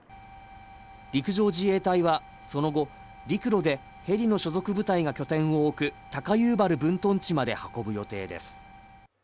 陸上自衛隊はその後、陸路でヘリの所属部隊が拠点を置く高遊原分屯地まで運ぶ予定です。